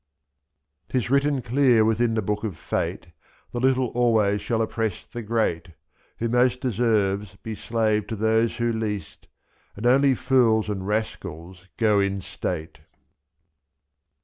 'Tis written clear within the Book of Fate, The little always shall oppress the great, I'jb' Who most deserves be slave to those who least. And only fools and rascals go in state.